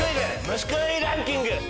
虫食いランキング！